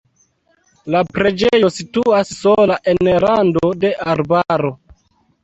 La preĝejo situas sola en rando de arbaro.